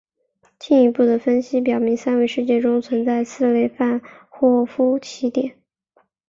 进一步的分析表明三维空间中存在着四类范霍夫奇点。